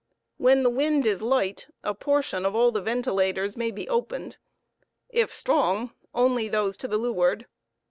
When the wind is light, a portion of all the ventilators may be opened; if strong, only those to the leeward.